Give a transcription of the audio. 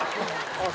あっ